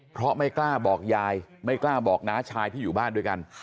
เพราะไม่กล้าบอกยายไม่กล้าบอกน้าชายที่อยู่บ้านด้วยกัน